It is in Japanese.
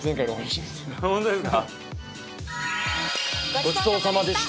ごちそうさまでした。